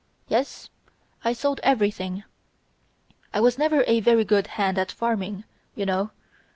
"Yes, I sold everything. I was never a very good hand at farming, you know.